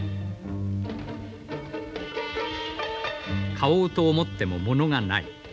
「買おうと思っても物がない。